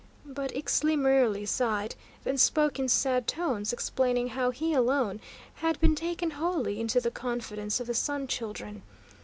But Ixtli merely sighed, then spoke in sad tones, explaining how he alone had been taken wholly into the confidence of the Sun Children.